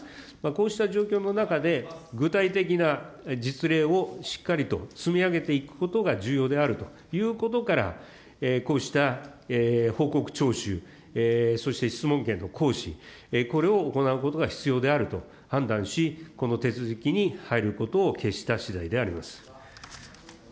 こうした状況の中で、具体的な実例をしっかりと積み上げていくことが重要であるということから、こうした報告徴収、そして質問権の行使、これを行うことが必要であると判断し、この手続きに入ることを決したしだいであります。